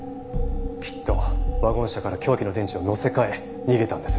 きっとワゴン車から凶器の電池を載せ換え逃げたんです。